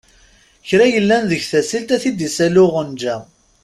Kra yellan deg tasilt, a-t-id-issali uɣenja.